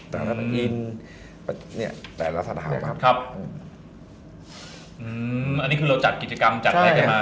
อเจมส์อันนี้คือเราจัดกิจกรรมจัดให้กันมา